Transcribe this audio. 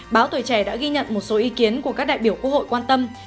báo tuổi trẻ đã ghi nhận một số ý kiến của các đại biểu quốc hội quan tâm